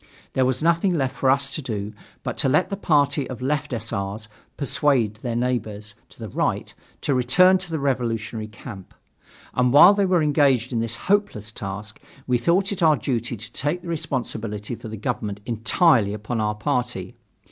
There was nothing left for us to do but to let the party of Left S. R.'s persuade their neighbors to the right to return to the revolutionary camp; and while they were engaged in this hopeless task, we thought it our duty to take the responsibility for the government entirely upon our party.